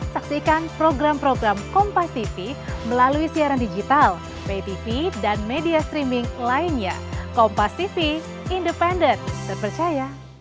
sehingga kita harus melihat kesiapan daerah